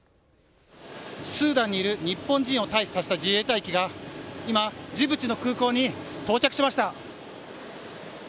スーダンにいる日本人を退避させた自衛隊機が、今、ジブチの空港に到着しました。